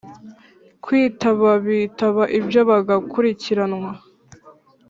kwitaba bitaba ibyo bagakurikiranwa